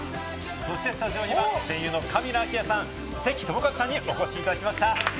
そしてスタジオには声優の神谷明さん、関智一さんにお越しいただきました。